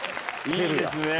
いいですね。